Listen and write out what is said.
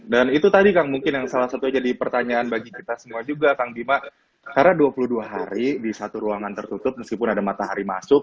dan itu tadi kang mungkin yang salah satu pertanyaan bagi kita semua juga kang dima karena dua puluh dua hari di satu ruangan tertutup meskipun ada matahari masuk